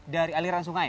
dari aliran sungai